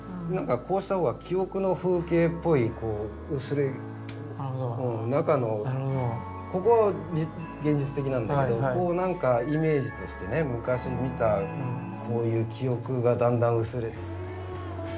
こうした方が記憶の風景っぽいこう薄れゆく中のここは現実的なんだけどこうなんかイメージとしてね昔見たこういう記憶がだんだん薄れて。